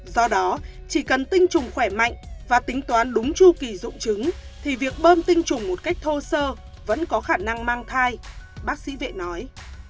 do đó chỉ cần tinh trùng khỏe mạnh và tính toán đúng chu kỳ dụng trứng thì việc bơm tinh trùng một cách thô sơ vẫn có khả năng mang thai bác sĩ vệ nói